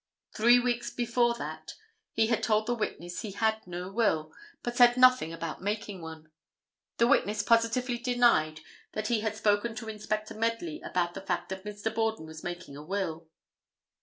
Three weeks before that he had told the witness he had no will, but said nothing about making one. The witness positively denied that he had spoken to Inspector Medley about the fact that Mr. Borden was making a will.